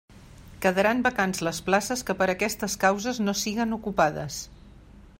Quedaran vacants les places que per aquestes causes no siguen ocupades.